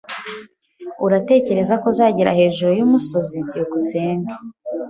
Uratekereza ko azagera hejuru yumusozi? byukusenge